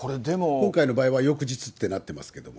今回の場合は翌日ってなってますけどね。